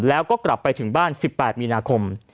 แล้วก็กลับไปถึงบ้าน๑๘มีนาคม